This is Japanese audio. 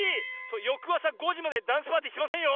よくあさ５じまでダンスパーティーしませんよ！